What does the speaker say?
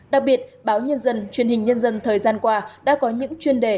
đặc biệt báo nhân dân truyền hình nhân dân thời gian qua đã có những chuyên đề